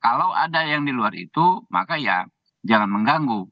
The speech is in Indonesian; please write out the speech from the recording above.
kalau ada yang di luar itu maka ya jangan mengganggu